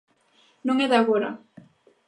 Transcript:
Non é de agora.